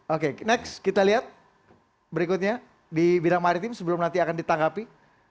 oke next kita lihat berikutnya di bidang maritim sebelum nanti akan ditanggapi